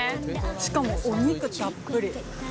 しかもお肉たっぷり。